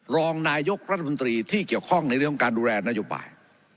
รองนายกรัฐมนตรีที่เกี่ยวข้องในเรื่องของการดูแลนโยบาย